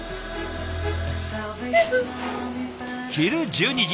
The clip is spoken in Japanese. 昼１２時。